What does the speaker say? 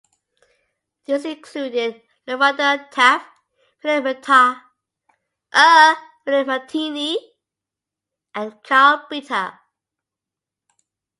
These included Lorado Taft, Philip Martiny and Karl Bitter.